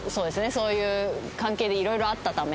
そういう関係で色々あったため。